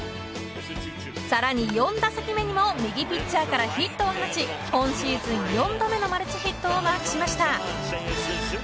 さらに４打席目にも右ピッチャーからヒットを放ち今シーズン４度目のマルチヒットをマークしました。